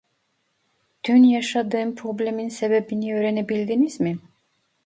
Dün yaşadığım problemin sebebini öğrenebildiniz mi?